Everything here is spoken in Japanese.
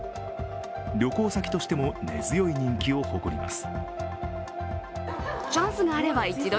旅行先としても根強い人気を誇ります。